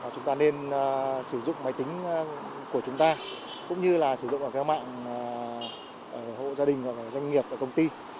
chúng ta nên sử dụng máy tính của chúng ta cũng như là sử dụng vào các mạng hộ gia đình doanh nghiệp công ty